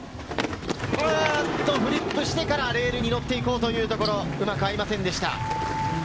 フリップしてからレールに乗って行こうというところ、うまく合いませんでした。